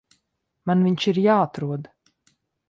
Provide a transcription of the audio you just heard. Man viņš ir jāatrod.